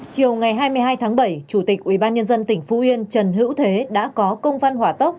chiều ngày hai mươi hai tháng bảy chủ tịch ubnd tỉnh phú yên trần hữu thế đã có công văn hỏa tốc